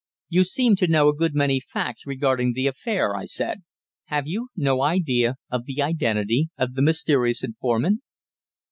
"You seem to know a good many facts regarding the affair," I said. "Have you no idea of the identity of the mysterious informant?"